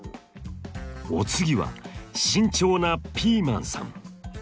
お次は慎重なピーマンさん。